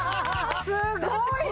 すごいね！